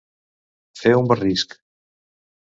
Fer un barrisc.